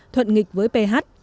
thuận nghịch với ph